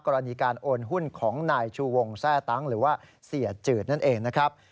กรณีการโอนหุ้นของนายชูวงแทร่ตั้งหรือว่าเสียจืดนั่นเองนะครับ